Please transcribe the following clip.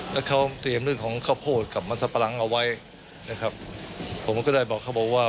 ซึ่งเขาเตรียมเรื่องของข้อนาคตกับมัสปรังล์เอาไว้